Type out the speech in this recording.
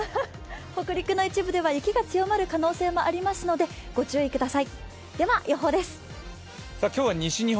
北陸の一部では雪が強まる可能性もありますので、ご注意ください。